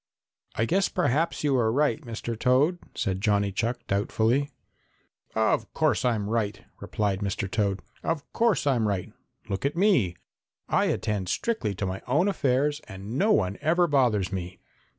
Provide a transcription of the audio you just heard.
"I guess perhaps you are right, Mr. Toad," said Johnny Chuck doubtfully. "Of course I'm right," replied Mr. Toad. "Of course I'm right. Look at me; I attend strictly to my own affairs and no one ever bothers me."